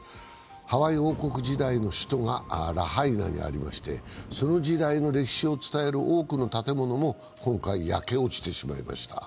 ハワイ王国時代の首都がラハイナにありまして、その時代の歴史を伝える多くの建物も今回、焼け落ちてしまいました。